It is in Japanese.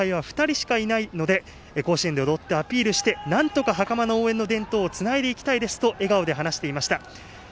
今、後輩は２人しかいないので甲子園で踊ってアピールしてなんとかはかまの応援の伝統をつないでいきたいですと話していました。